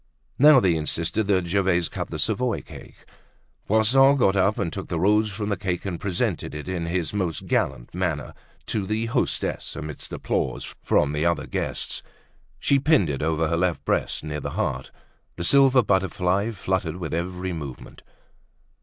Now they insisted that Gervaise cut the Savoy cake. Poisson got up and took the rose from the cake and presented it in his most gallant manner to the hostess amidst applause from the other guests. She pinned it over her left breast, near the heart. The silver butterfly fluttered with her every movement.